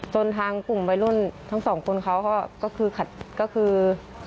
จนทางกลุ่มใบรุ่นทั้งสองคนเขาก็คือ